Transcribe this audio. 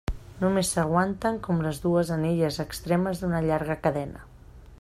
Només s'aguanten com les dues anelles extremes d'una llarga cadena.